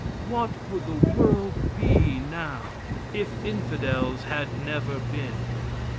What would the world be now if infidels had never been?